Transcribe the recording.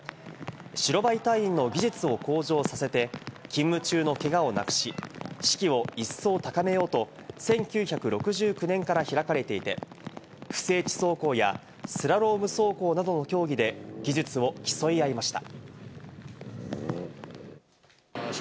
白バイ隊員の技術を向上させて、勤務中のけがをなくし、士気を一層高めようと１９６９年から開かれていて、不整地走行やスラローム走行などの競技で技術を競い合いました。